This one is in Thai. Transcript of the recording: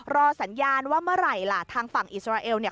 รอสัญญาณว่าเมื่อไหร่ล่ะทางฝั่งอิสราเอลเนี่ย